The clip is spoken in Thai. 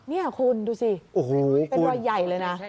นี่คุณดูสิโอ้โหเป็นรอยใหญ่เลยนะ